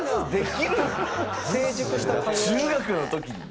中学の時に？